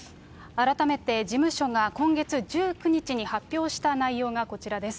改めて、事務所が今月１９日に発表した内容がこちらです。